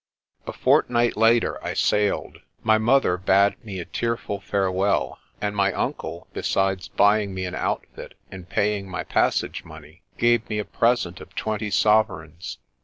A fortnight later I sailed. My mother bade me a tearful farewell, and my uncle, besides buying me an outfit and paying my passage money, gave me a present of twenty sovereigns.